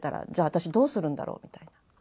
私どうするんだろうみたいな。